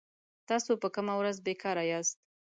تاسو په کومه ورځ بي کاره ياست